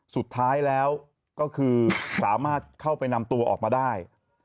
สุดท้ายแล้วก็คือสามารถเข้าไปนำตัวออกมาได้